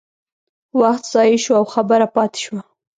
وخت ضایع شو او خبره پاتې شوه.